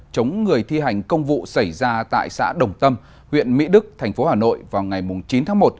chống người thi hành công vụ xảy ra tại xã đồng tâm huyện mỹ đức thành phố hà nội vào ngày chín tháng một